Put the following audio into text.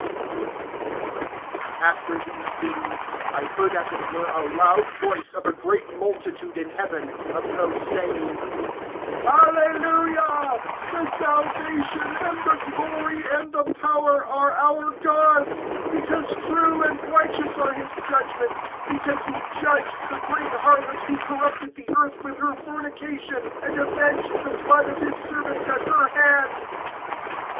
XIX. AFTER these things, I heard as it were a loud voice of a great multitude in heaven, of those saying: Alleluia; the salvation, and the glory, and the power, are our God's; (2)because true and righteous are his judgments; because he judged the great harlot, who corrupted the earth with her fornication, and avenged the blood of his servants at her hand.